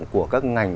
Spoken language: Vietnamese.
của các ngành